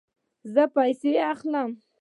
زه پیسې اخلم